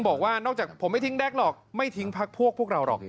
บอกว่าเฮ้ยผมไม่ทิ้งแด๊กหรอกไม่ทิ้งพวกเราหรอก